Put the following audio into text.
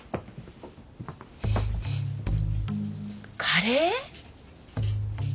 カレー？